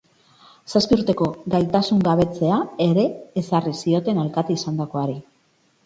Zazpi urteko gaitasungabetzea ere ezarri zioten alkate izandakoari.